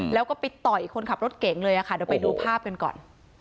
แล้วก็ไปต่อยคนขับรถเก่งเลยค่ะเดี๋ยวไปดูภาพกันก่อน